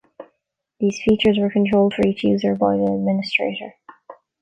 These features were controlled for each user by the administrator.